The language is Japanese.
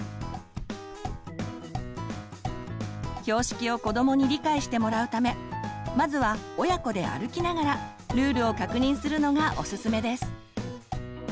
標識を子どもに理解してもらうためまずは親子で歩きながらルールを確認するのがオススメです。